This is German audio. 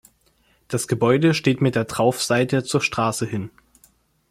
Das Gebäude steht mit der Traufseite zur Straße hin.